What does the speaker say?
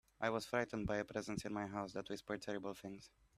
I was frightened by a presence in my house that whispered terrible things.